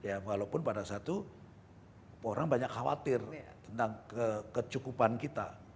ya walaupun pada saat itu orang banyak khawatir tentang kecukupan kita